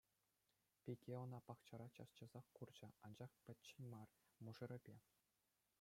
Пике ӑна пахчара час-часах курчӗ, анчах пӗччен мар — мӑшӑрӗпе.